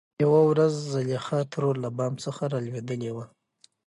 يوه ورځ زليخا ترور له بام څخه رالوېدلې وه .